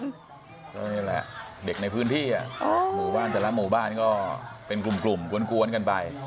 ก็นี่แหละเด็กในพื้นที่หมู่บ้านแต่ละหมู่บ้านก็เป็นกลุ่มกวนกันไป